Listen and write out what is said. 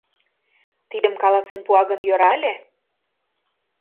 Тидым каласен пуа гын, йӧра ыле...